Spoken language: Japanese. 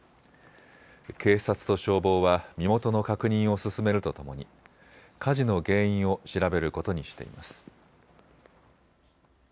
警察と消防は身元の確認を進めるとともに火事の原因を調べることにしています。